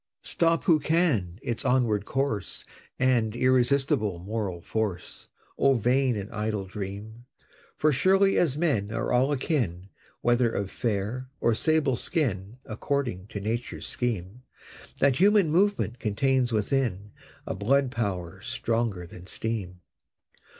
Stop who can its onward course And irresistible moral force; O vain and idle dream! For surely as men are all akin, Whether of fair or sable skin, According to Nature's scheme, That Human Movement contains within A Blood Power stronger than Steam.